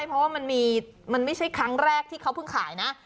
เพราะว่ามันไม่ใช่ครั้งแรกที่เขาเพิ่งขายนะ